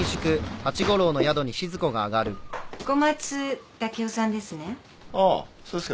小松武雄さんですね？